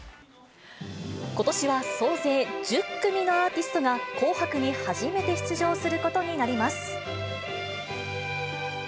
ことしは総勢１０組のアーティストが、紅白に初めて出場することになります。